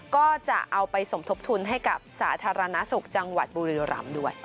ก็จะเอาไปสมทบทุนให้กับสาธารณสุขจังหวัดบุรีรำด้วย